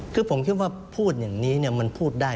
คือผมคิดว่าพูดอย่างนี้มันพูดได้